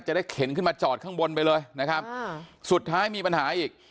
เข็นขึ้นมาจอดข้างบนไปเลยนะครับสุดท้ายมีปัญหาอีก